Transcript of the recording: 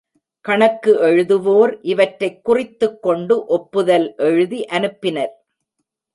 கணக்கு எழுதுவோர் இவற்றைக் குறித்துக் கொண்டு ஒப்புதல் எழுதி அனுப்பினர்.